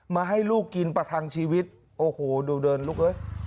มาให้ลูกกินประทังชีวิตโอ้โหดูเดินลูกเอ้ย